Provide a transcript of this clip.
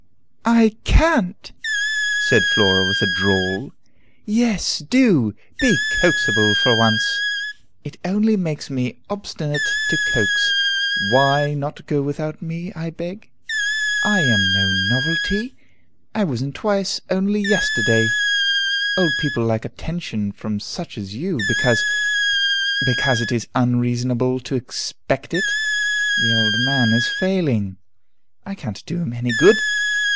"I can't!" said Flora with a drawl. "Yes, do! Be coaxable, for once!" "It only makes me obstinate to coax. Why not go without me, I beg?" "I am no novelty. I was in twice only yesterday. Old people like attention from such as you, because " "Because it is unreasonable to expect it." "The old man is failing." "I can't do him any good.